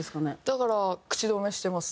だから口止めしてますね。